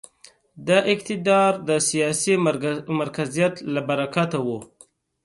دا اقتدار د سیاسي مرکزیت له برکته و.